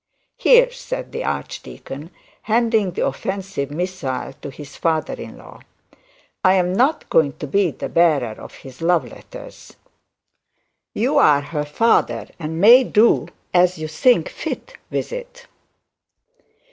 'Here,' said the archdeacon, handing the offensive missile to his father in law; 'I am not going to be the bearer of his love letters. You are her father, and may do as you think fit with it.'